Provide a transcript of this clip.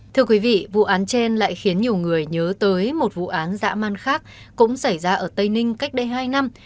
thưa quý vị vụ án trên lại khiến nhiều người nhớ tới một vụ án dã man khác cũng xảy ra ở tây ninh cách đây hai năm